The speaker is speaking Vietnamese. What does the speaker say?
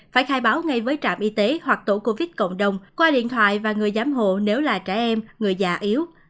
phải khai báo ngay với trạm y tế hoặc tổ covid cộng đồng qua điện thoại và người giám hộ nếu là trẻ em người già yếu